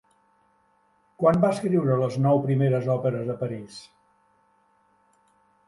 Quan va escriure les nou primeres òperes a París?